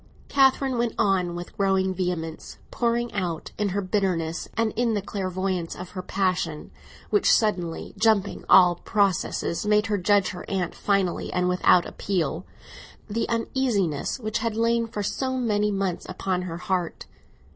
Catherine went on with growing vehemence, pouring out in her bitterness and in the clairvoyance of her passion (which suddenly, jumping all processes, made her judge her aunt finally and without appeal) the uneasiness which had lain for so many months upon her heart.